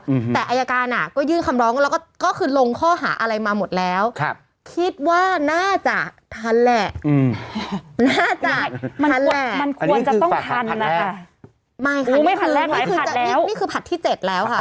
อืมแต่อายการอ่ะก็ยื่นคำร้องแล้วก็ก็คือลงข้อหาอะไรมาหมดแล้วครับคิดว่าน่าจะทันแหละอืมน่าจะทันแหละ